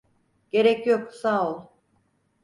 Gerek yok, sağ ol.